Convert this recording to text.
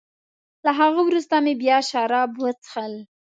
له هغه وروسته مې بیا شراب وڅېښل.